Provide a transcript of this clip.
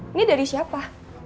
ini dari siapa